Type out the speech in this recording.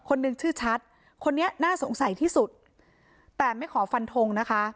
นึงชื่อชัดคนนี้น่าสงสัยที่สุดแต่ไม่ขอฟันทงนะคะ